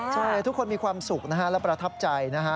ใช่ทุกคนมีความสุขนะฮะและประทับใจนะฮะ